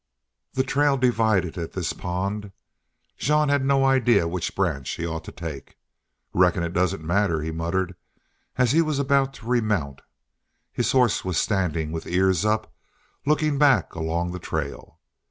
The trail divided at this pond. Jean had no idea which branch he ought to take. "Reckon it doesn't matter," he muttered, as he was about to remount. His horse was standing with ears up, looking back along the trail.